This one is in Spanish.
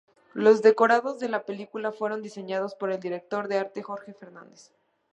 Los decorados de la película fueron diseñados por el director de arte Jorge Fernández.